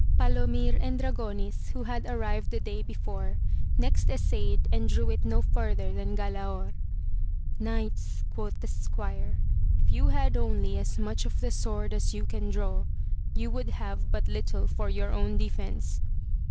Palomir and Dragonis, who had arrived the day before, next essayed and drew it no farther than Galaor. Knights, quoth the squire, if you had only as much of the sword as you can draw, you would have but little for your own defence.